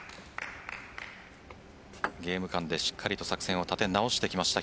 ゲーム間でしっかり作戦を立て直してきました。